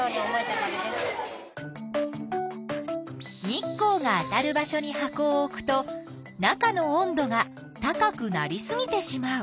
日光があたる場所に箱を置くと中の温度が高くなりすぎてしまう。